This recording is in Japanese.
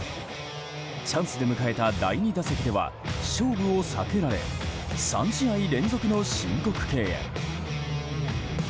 チャンスで迎えた第２打席では勝負を避けられ３試合連続の申告敬遠。